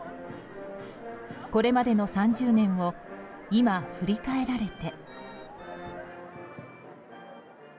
これまでの３０年を今、振り返られて。